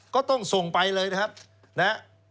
ก็ต้องส่งไปเลยนะครับนะฮะ